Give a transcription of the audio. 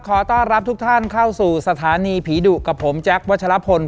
ขอต้อนรับทุกท่านเข้าสู่สถานีผีดุกับผมแจ๊ควัชลพล